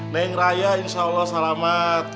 neng raya insya allah selamat